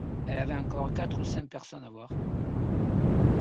Elle avait encore quatre ou cinq personnes à voir.